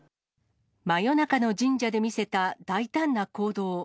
真夜中の神社で見せた大胆な行動。